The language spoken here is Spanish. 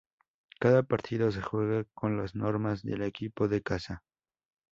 Cada partido se juega con las normas del equipo de casa.